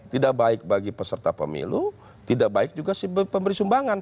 tidak baik bagi peserta pemilu tidak baik juga si pemberi sumbangan